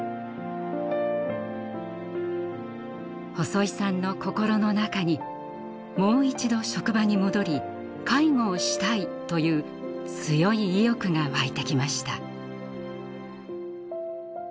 細井さんの心の中にもう一度職場に戻り「介護をしたい」という強い意欲が湧いてきました。